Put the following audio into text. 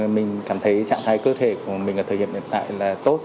mình cảm thấy trạng thái cơ thể của mình ở thời điểm hiện tại là tốt